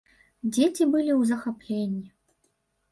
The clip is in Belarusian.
Дзеці былі ў захапленні!